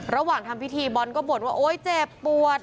ระหว่างทำพิธีบอลก็บ่นว่าโอ๊ยเจ็บปวด